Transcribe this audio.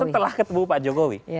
setelah ketemu pak jokowi